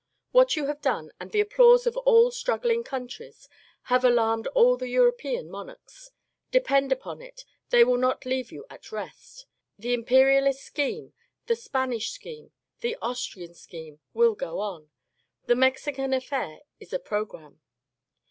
What you have done, and the applause of all struggling countries, have alarmed all the European monarchs. Depend upon it, they will not leave you at rest. The imperialist scheme, the Spanish scheme, the Austrian scheme, will go on. The Mexican affair is a pro gramme.